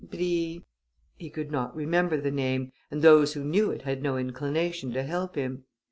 ... Bri' he could not remember the name, and those who knew it had no inclination to help him.